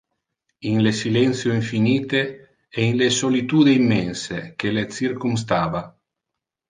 In le silentio infinite e in le solitude immense que le circumstava.